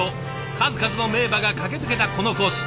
数々の名馬が駆け抜けたこのコース。